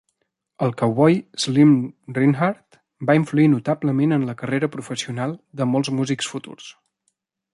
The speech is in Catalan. El cowboy Slim Rinehart va influir notablement en la carrera professional de molts músics futurs.